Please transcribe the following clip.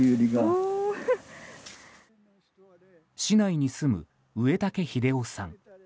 市内に住む植竹英夫さん。